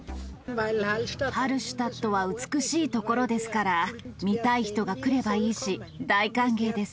ハルシュタットは美しい所ですから、見たい人が来ればいいし、大歓迎です。